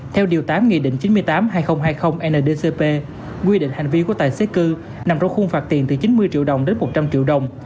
theo điều tám nghị định chín mươi tám hai nghìn hai mươi ndcp quy định hành vi của tài xế cư nằm trong khung phạt tiền từ chín mươi triệu đồng đến một trăm linh triệu đồng